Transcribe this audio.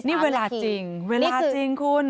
นี่เวลาจริงเวลาจริงคุณ